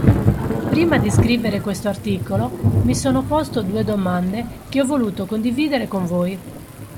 Prima di scrivere questo articolo, mi sono posto due domande che ho voluto condividere con voi.